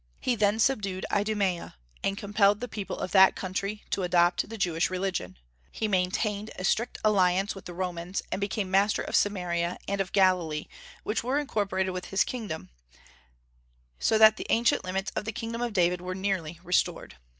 He then subdued Idumaea, and compelled the people of that country to adopt the Jewish religion. He maintained a strict alliance with the Romans, and became master of Samaria and of Galilee, which were incorporated with his kingdom, so that the ancient limits of the kingdom of David were nearly restored.